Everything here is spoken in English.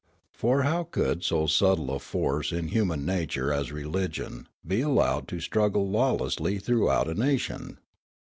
For how could so subtle a force in human nature as religion be allowed to straggle lawlessl} throughout a nation